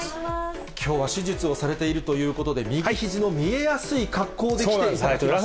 きょうは手術をされているということで、右ひじの見えやすい格好で来ていただきました。